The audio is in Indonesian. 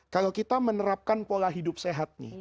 kalau kita menerapkan pola hidup sehat nih